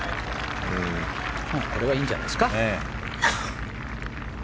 これはいいんじゃないですか。